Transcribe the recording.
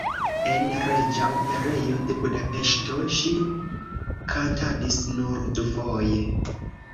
En Reĝa Operejo de Budapeŝto ŝi kantadis nur dufoje.